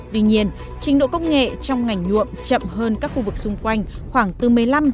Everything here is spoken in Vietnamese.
tuy nhiên trình độ công nghệ trong ngành nhuộm chậm hơn các khu vực xung quanh khoảng bốn mươi năm hai mươi năm